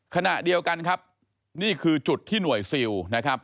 ขณะเดียวกันครับนี่คือจุดที่หน่วยซิลนะครับ